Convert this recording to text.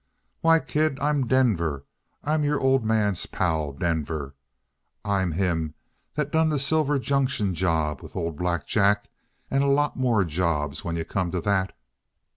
"Why, kid, I'm Denver. I'm your old man's pal, Denver! I'm him that done the Silver Junction job with old Black Jack, and a lot more jobs, when you come to that!"